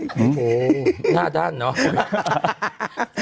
โอ้โหหน้าด้านเนอะ